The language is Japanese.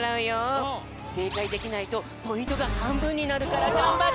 せいかいできないとポイントがはんぶんになるからがんばって。